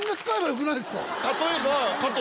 例えば。